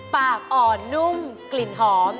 ปากอ่อนนุ่มกลิ่นหอม